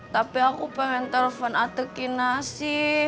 tapi aku pengen telepon ate kinasi